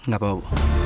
gak apa bu